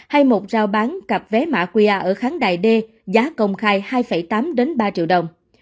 hay một giao bán cặp vé mạ qia ở kháng đài d giá công khai hai tám ba triệu đồng